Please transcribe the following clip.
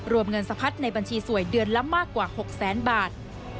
รวมเงินสะพัดในบัญชีสวยเดือนล้ำมากกว่า๖๐๐๐๐๐บาท